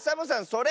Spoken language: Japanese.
それ！